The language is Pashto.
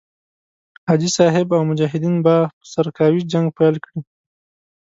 حاجي صاحب او مجاهدین به په سرکاوي جنګ پيل کړي.